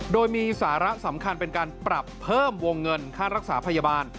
โดยมีสาระสำคัญเป็นการปรับเพิ่มวงเงินค่ารักษาพยาบาล